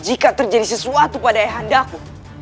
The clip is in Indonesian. jika terjadi sesuatu pada ayah andaku